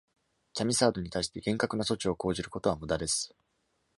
キャミサードに対して厳格な措置を講じることは無駄です。